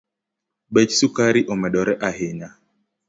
Bech sukari omedore ahinya